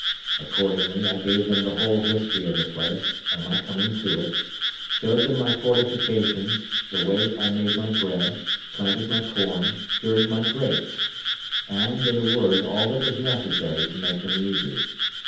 Accordingly, I gave them the whole history of the place, and of my coming to it; showed them my fortifications, the way I made my bread, planted my corn, cured my grapes; and, in a word, all that was necessary to make them easy.